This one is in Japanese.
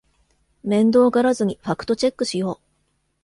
面倒がらずにファクトチェックしよう